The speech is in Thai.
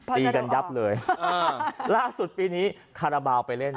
ตีกันยับเลยอ่าล่าสุดปีนี้คาราบาลไปเล่น